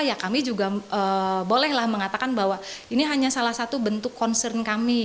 ya kami juga bolehlah mengatakan bahwa ini hanya salah satu bentuk concern kami